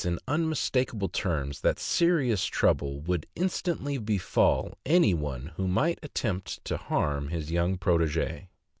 in unmistakable terms that serious trouble would instantly befall anyone who might attempt to harm his young proteges.